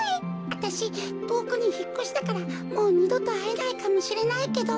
わたしとおくにひっこしたからもうにどとあえないかもしれないけど。